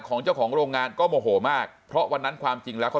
ของเจ้าของโรงงานก็โมโหมากเพราะวันนั้นความจริงแล้วเขา